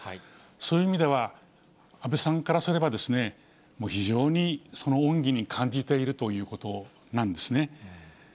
そういう意味では、安倍さんからすれば、非常に恩義に感じているということなんですね。